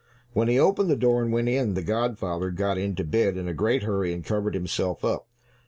When he opened the door and went in, the godfather got into bed in a great hurry and covered himself up.